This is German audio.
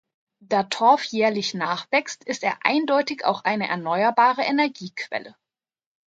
Da Torf jährlich nachwächst, ist er eindeutig auch eine erneuerbare Energiequelle.